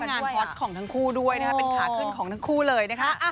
คือด้วยความว่างานฮอตของทั้งคู่ด้วยนะครับเป็นขาขึ้นของทั้งคู่เลยนะครับ